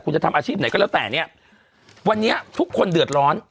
คุณจะทำอาชีพไหนก็แล้วแต่เนี่ยวันนี้ทุกคนเดือดร้อน